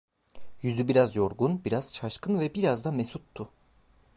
Yüzü biraz yorgun, biraz şaşkın ve biraz da mesuttu.